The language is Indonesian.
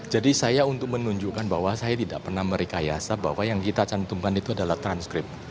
jadi saya untuk menunjukkan bahwa saya tidak pernah merikaiasa bahwa yang kita cantumkan itu adalah transkrip